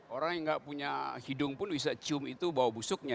orang yang nggak punya hidung pun bisa cium itu bawa busuknya